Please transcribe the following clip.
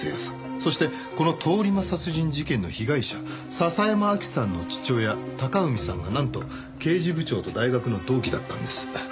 そしてこの通り魔殺人事件の被害者笹山明希さんの父親隆文さんがなんと刑事部長と大学の同期だったんです。